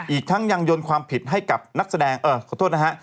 อีกทั้งยังยนต์ความผิดให้กับนักแสดงเออขอโทษนะฮะ